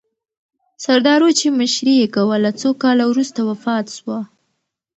سردارو چې مشري یې کوله، څو کاله وروسته وفات سوه.